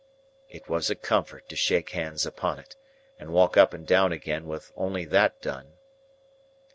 It was a comfort to shake hands upon it, and walk up and down again, with only that done.